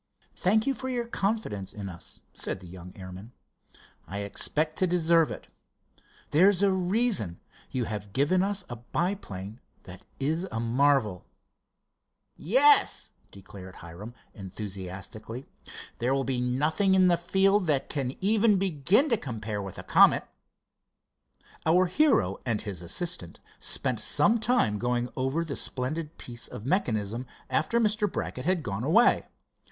"Thank you for your confidence in us," said the young airman. "I expect to deserve it. There's a reason—you have given us a biplane that is a marvel." "Yes," declared Hiram, enthusiastically, "there will be nothing in the field that can even begin to compare with the Comet." Our hero and his assistant spent some time going over the splendid piece of mechanism, after Mr. Brackett had gone away.